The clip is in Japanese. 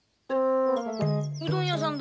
うどん屋さんだ。